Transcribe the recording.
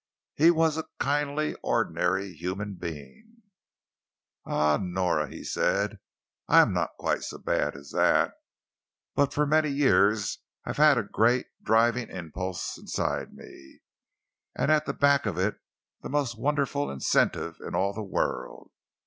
He was a kindly ordinary human being. "Ah, Nora," he said, "I am not quite so bad as that! But for many years I have had a great, driving impulse inside me, and at the back of it the most wonderful incentive in all the world.